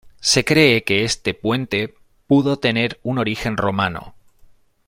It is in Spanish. Se cree que este puente pudo tener un origen romano.